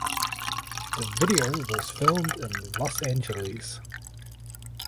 The video was filmed In Los Angeles.